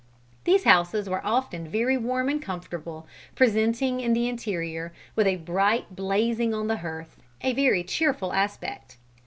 These houses were often very warm and comfortable, presenting in the interior, with a bright fire blazing on the hearth, a very cheerful aspect.